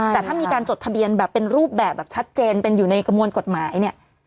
แต่ถ้ามีการจดทะเบียนแบบเป็นรูปแบบแบบชัดเจนเป็นอยู่ในกระมวลกฎหมายเนี่ย